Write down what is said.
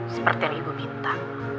seperti yang ibu minta